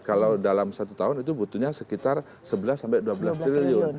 kalau dalam satu tahun itu butuhnya sekitar sebelas dua belas triliun